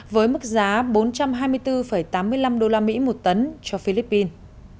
với mức giá bốn trăm hai mươi bốn tám mươi năm usd một tấn cho philippines